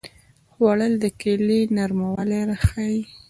خوړل د کیلې نرموالی ښيي